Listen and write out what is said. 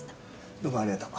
どうもありがとう。